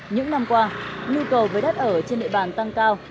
những năm qua nhu cầu với đất ở trên địa bàn tăng cao